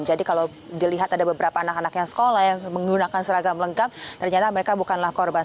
jadi kalau dilihat ada beberapa anak anak yang sekolah yang menggunakan seragam lengkap ternyata mereka bukanlah korban